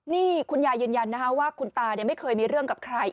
นี่คุณยายยืนยันนะคะว่าคุณตาไม่เคยมีเรื่องกับใคร